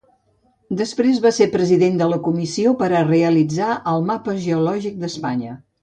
Després va ser president de la Comissió per a realitzar el mapa geològic d'Espanya.